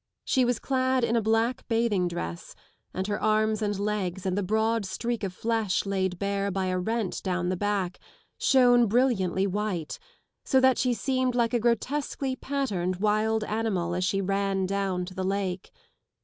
She was clad in a black bathing dress, and her arms and legs and the broad streak of flesh laid bare by a rent down the back shone brilliantly white, so that she seemed 107 like a grotesquely patterned wild animal as she ran down to the lake.